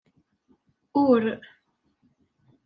Ur.